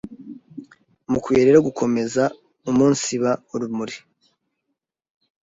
mukwiye rero gukomeza umunsiba urumuri